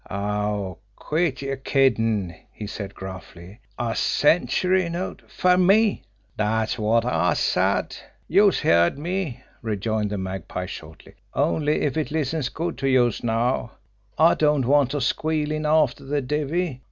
"Aw, quit yer kiddin'!" he said gruffly. "A century note fer me!" "Dat's wot I said! Youse heard me!" rejoined the Magpie shortly. "Only if it listens good to youse now, I don't want no squealin' after the divvy.